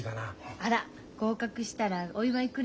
あら合格したらお祝いくれんの？